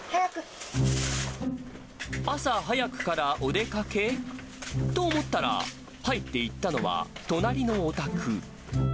朝早くからお出かけ？と思ったら、入っていったのは、隣のお宅。